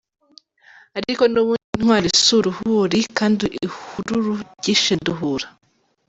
Ariko n’ubundi Intwari si Uruhuri kandi ihururu ryishe Nduhura.